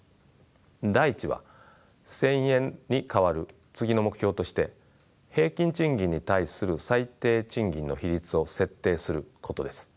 第１は１，０００円に代わる次の目標として「平均賃金に対する最低賃金の比率を設定する」ことです。